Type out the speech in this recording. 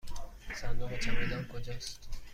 صندوق چمدان کجاست؟